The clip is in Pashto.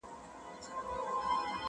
ما درکړي تا ته سترګي چي مي ووینې پخپله!